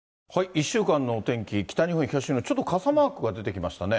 １週間のお天気、北日本、東日本、ちょっと傘マークが出てきましたね。